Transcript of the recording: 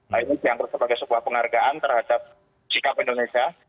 nah ini dianggap sebagai sebuah penghargaan terhadap sikap indonesia